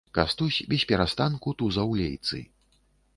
Кастусь бесперастанку тузаў лейцы.